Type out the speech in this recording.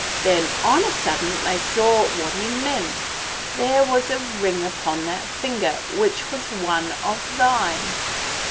' Then on a sudden they saw what he meant ; there was a ring upon that finger which was one of thine."